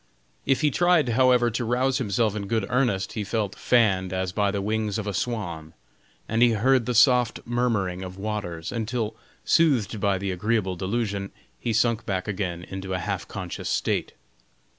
If he tried, however, to rouse himself in good earnest he felt fanned as by the wings of a swan, and he heard the soft murmuring of waters, until soothed by the agreeable delusion, he sunk back again into a half conscious state.